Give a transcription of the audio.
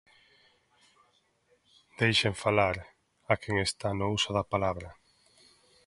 Deixen falar a quen está no uso da palabra.